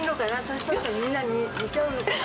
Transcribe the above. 年取ると、みんな、似ちゃうのかな？